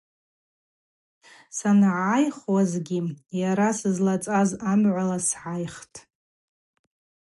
Сангӏайхуазгьи йара сызлацаз амгӏвала сгӏайхтӏ.